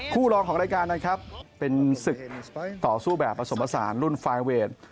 รองของรายการนะครับเป็นศึกต่อสู้แบบผสมผสานรุ่นไฟเวท